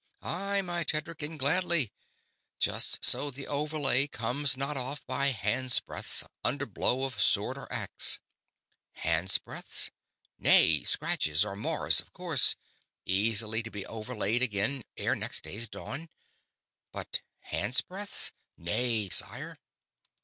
"Aye, my Tedric, and gladly: just so the overlay comes not off by handsbreadths under blow of sword or axe." "Handsbreadths? Nay. Scratches and mars, of course, easily to be overlaid again ere next day's dawn. But handsbreadths? Nay, sire."